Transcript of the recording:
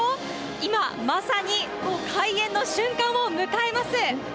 今、まさに開園の瞬間を迎えます。